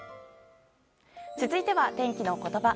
続いては天気のことば。